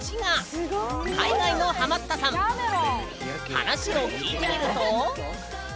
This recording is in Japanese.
話を聞いてみると。